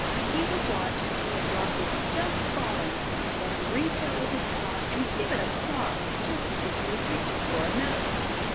He would watch until a drop was just falling, then reach out with his paw and give it a claw just as if he was reaching for a mouse.